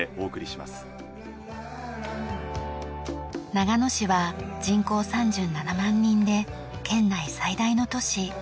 長野市は人口３７万人で県内最大の都市。